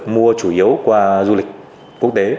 mua chủ yếu qua du lịch quốc tế